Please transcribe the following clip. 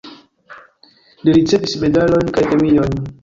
Li ricevis medalojn kaj premiojn.